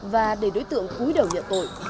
và để đối tượng cúi đầu nhận tội